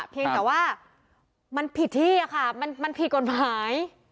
เพียงแต่ว่ามันผิดที่อะค่ะมันผิดกฎหมาย